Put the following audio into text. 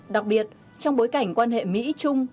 đặc biệt trong bối cảnh quan hệ mỹ trung